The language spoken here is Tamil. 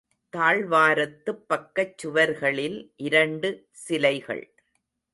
தாழ்வாரத்துப் பக்கச் சுவர்களில் இரண்டு சிலைகள்.